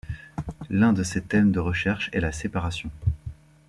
L'un de ses thèmes de recherche est la séparation.